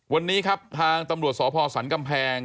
วันนี้ครับทางตำรวจสพสันกำแพง